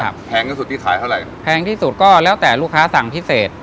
แพงที่สุดที่ขายเท่าไหร่แพงที่สุดก็แล้วแต่ลูกค้าสั่งพิเศษ